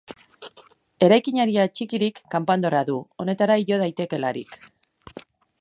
Eraikinari atxikirik kanpandorrea du, honetara igo daitekeelarik.